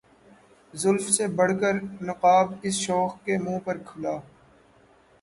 زلف سے بڑھ کر نقاب اس شوخ کے منہ پر کھلا